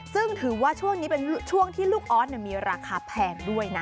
ซึ่งถือว่าช่วงนี้เป็นช่วงที่ลูกออสมีราคาแพงด้วยนะ